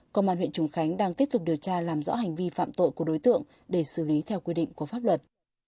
công an huyện trùng khánh đang tiếp tục điều tra làm rõ hành vi phạm tội của đối tượng để xử lý theo quy định của pháp luật